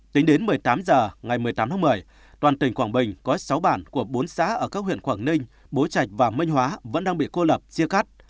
tính đến một mươi tám h ngày một mươi tám tháng một mươi toàn tỉnh quảng bình có sáu bản của bốn xã ở các huyện quảng ninh bố trạch và minh hóa vẫn đang bị cô lập chia cắt